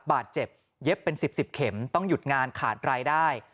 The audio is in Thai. บาดเจ็บเย็บเป็น๑๐๑๐เข็มต้องหยุดงานขาดรายได้